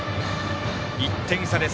１点差です。